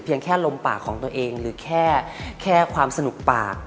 แค่ลมปากของตัวเองหรือแค่ความสนุกปาก